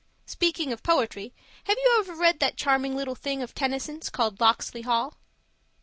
Speaking of poetry, have you ever read that charming little thing of Tennyson's called Locksley Hall?